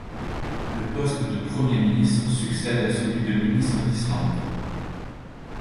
Le poste de Premier ministre succède à celui de ministre d'Islande.